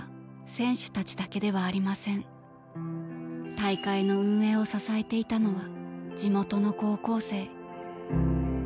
大会の運営を支えていたのは地元の高校生。